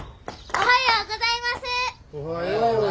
おはようございます。